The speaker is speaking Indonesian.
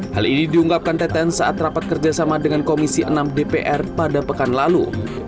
hal ini diunggapkan teten saat rapat kerjasama dengan komisi enam dpr pada pekan lalu